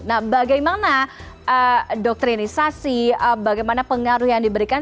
nah bagaimana doktrinisasi bagaimana pengaruh yang diberikan